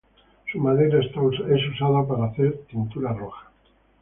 Su madera es usada para hacer tintura roja.